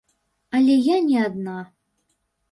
Але я не адна.